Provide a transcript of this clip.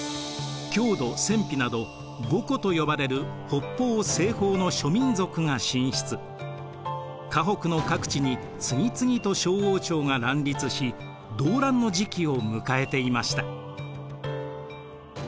匈奴鮮卑など五胡と呼ばれる北方西方の諸民族が進出華北の各地に次々と小王朝が乱立し動乱の時期を迎えていました。